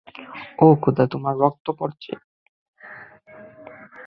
ওহ, খোদা, তোমার রক্ত পড়ছে।